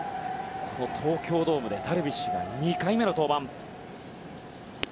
この東京ドームでダルビッシュが２回目の登板。